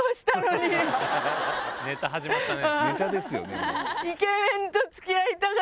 ネタ始まったね。